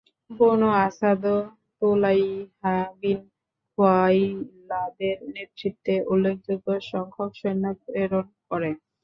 বনূ আসাদও Tulayha bin খুয়াইলাদের নেতৃত্বে উল্লেখযোগ্য সংখ্যক সৈন্য প্রেরণ করে।